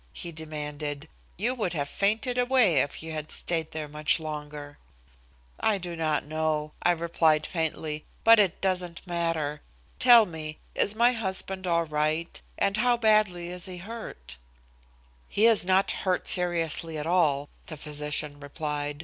he demanded. "You would have fainted away if you had stayed there much longer." "I do not know," I replied faintly, "but it doesn't matter. Tell me, is my husband all right, and how badly is he hurt?" "He is not hurt seriously at all," the physician replied.